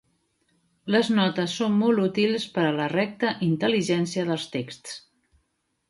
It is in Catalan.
Les notes són molt útils per a la recta intel·ligència dels texts.